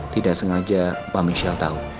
tidak sengaja pak michel tahu